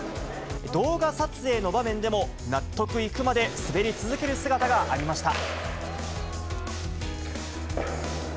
動画撮影の場面でも、納得いくまで滑り続ける姿がありました。